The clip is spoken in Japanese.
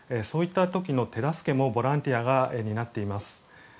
そういった時の手助けもボランティアが担っています。